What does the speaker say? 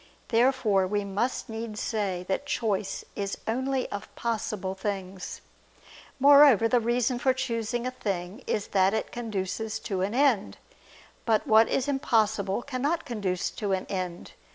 Therefore we must needs say that choice is only of possible things. Moreover, the reason for choosing a thing is that it conduces to an end. But what is impossible cannot conduce to an end.